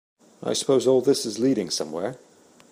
I suppose all this is leading somewhere?